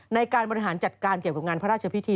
ในการบริหารจัดการเกี่ยวกับงานพระราชพิธี